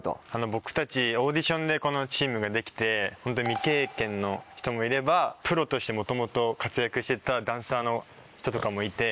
僕たちオーディションでこのチームが出来て未経験の人もいればプロとして元々活躍してたダンサーの人とかもいて。